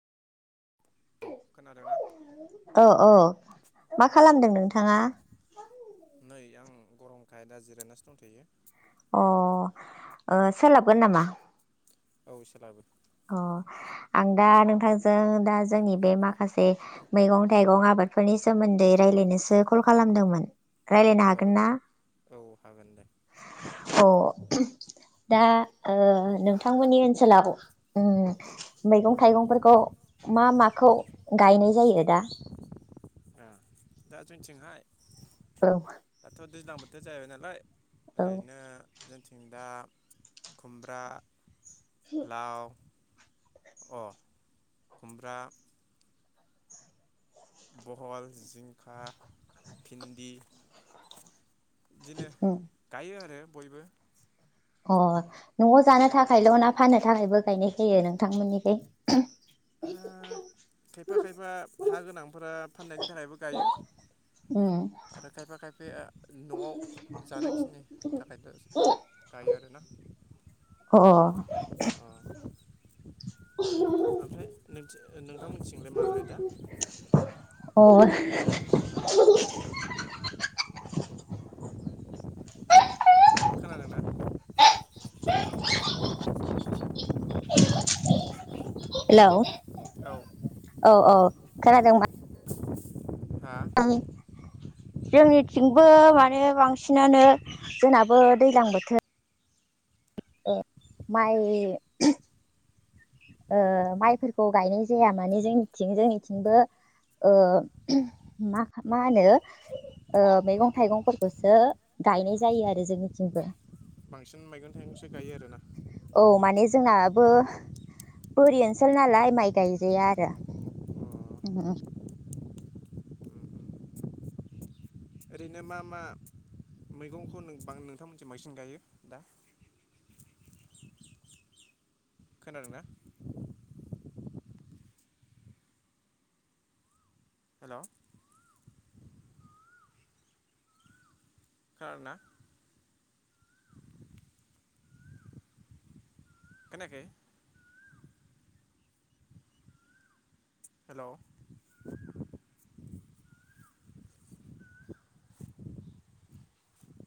औ खोनादोंना औ औ मा खालामदों नोंथाङा नै आं गरमखाय दा जिरायनासो दंथ'यो। अ ओ सोलाबगोन नामा? औ सोलाबो। अ आं दा नोंथांजों दा जोंनि बे माखासे मैगं थाइगंआ बादफोरनि सोमोन्दै रायज्लायनोसो कल खालामदोंमोन। रायलायनो ओ हागोन ना? औ हागोन दे अ दा ओ नोंथांमोननि ओनसोलाव उम मैगं थाइगंफोरखौ मा माखौ गायनाय जायो दा? [inaudible] ओ दा जोंनिथिंहाय औ दाथ' दैज्लां बोथोर जाहैबाय नालाय औ ओरैनो जोंथिं दा खुमब्रा लाव अ खुमब्रा बहल जिंखा भिन्दि बिदिनो उम गायो आरो बयबो अ न'आव जानो थाखायल' खांख्रिखला ना फाननो थाखायबो गायनाय जायो नोंथांमोननिखै? ओ [inaudible] खायफा खायफा हा गोनांफोरा फाननायनि थाखायबो गायो। उम आरो खायफा खायफाया न'आव जानोखिनि थाखायनो गायो आरोना। अ ओमफ्राय नोंथिं नोंथांमोनथिंलाय माबोरै दा? [inaudible] [inaudible] खोनादोंना हेलौ औ औ औ खोनादोंबा हा जोंनिथिंबो माने बांसिनानो जोंनाबो दैज्लां बोथो ए माइ ओ माइफोरखौ गायनाय जाया माने जोंनिथिं जोंनिथिंबो ओ मा मा होनो ओ मैगं थाइगंफोरखौसो गायनाय जायो आरो जोंनिथिंबो। बांसिन मैगं थाइगंसो गायो आरोना? औ माने जोंनाबो बोरि ओनसोल नालाय माइ गायजाया आरो। उम उम उम ओरैनो मा मा मैगंखौ नोंबां नोंथांमोनथिं बांसिन गायो दा? खोनादोंना? हेल' खोनादोंना? खोनायाखै? हेलौ